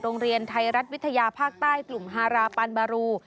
โรงเรียนไทยรัฐวิทยาภาคใต้กลุ่มฮาราปันบารู